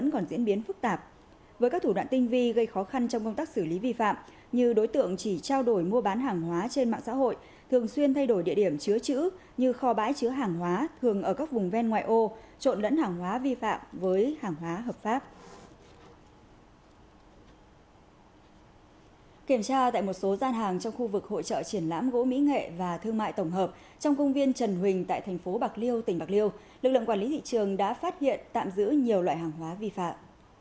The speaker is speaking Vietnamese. kiểm tra tại một số gian hàng trong khu vực hội trợ triển lãm gỗ mỹ nghệ và thương mại tổng hợp trong công viên trần huỳnh tại thành phố bạc liêu tỉnh bạc liêu lực lượng quản lý thị trường đã phát hiện tạm giữ nhiều loại hàng hóa vi phạm